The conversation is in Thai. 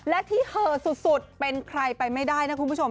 และที่เหอสุดเป็นใครไปไม่ได้นะคุณผู้ชม